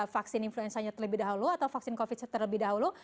vaksin influenzanya terlebih dahulu atau vaksin covid terlebih dahulu